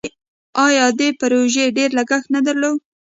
آیا دې پروژې ډیر لګښت نه درلود؟